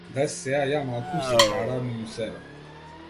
Дај сеа ја малку, се караа меѓу себе.